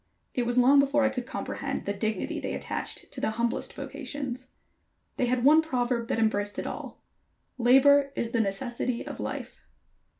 It was long before I could comprehend the dignity they attached to the humblest vocations. They had one proverb that embraced it all: "Labor is the necessity of life."